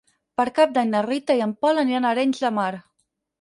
Per Cap d'Any na Rita i en Pol aniran a Arenys de Mar.